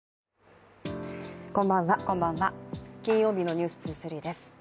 こんばんは、金曜日の「ｎｅｗｓ２３」です。